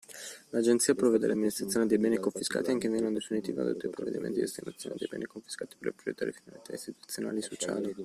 L'Agenzia provvede all'amministrazione dei beni confiscati anche in via non definitiva e adotta i provvedimenti di destinazione dei beni confiscati per le prioritarie finalità istituzionali e sociali